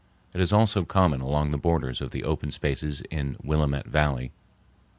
It is also common along the borders of the open spaces in Willamette Valley.